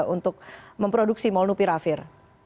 untuk memproduksi molnupiravir